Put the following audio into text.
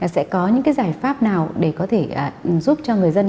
sẽ có những cái giải pháp nào để có thể giúp cho người dân